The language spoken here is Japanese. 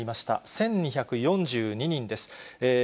１２４２人です。